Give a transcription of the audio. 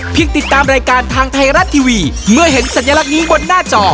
ติดตามรายการทางไทยรัฐทีวีเมื่อเห็นสัญลักษณ์นี้บนหน้าจอ